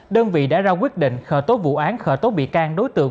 đơn vị đã ra quyết định khởi tố vụ án khởi tố bị can đối tượng